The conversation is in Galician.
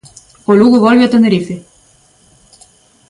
O Lugo volve a Tenerife.